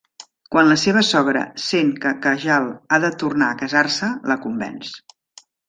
Quan la seva sogra sent que Kajal ha de tornar a casar-se, la convenç.